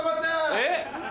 ・えっ！